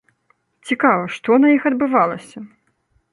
Цікава, што на іх адбывалася?